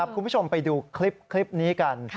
คุณผู้ชมไปดูคลิปนี้กัน